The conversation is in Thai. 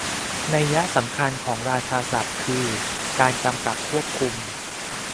นัยยะสำคัญของราชาศัพท์คือการกำกับควบคุม